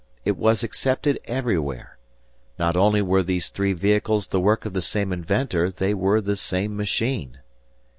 It was accepted everywhere. Not only were these three vehicles the work of the same inventor; they were the same machine!